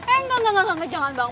engga engga jangan bang